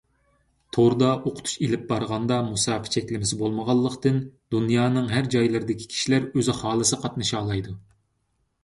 توردا ئوقۇتۇش ئېلىپ بارغاندا مۇساپە چەكلىمىسى بولمىغانلىقتىن، دۇنيانىڭ ھەر جايلىرىدىكى كىشىلەر ئۆزى خالىسىلا قاتنىشالايدۇ.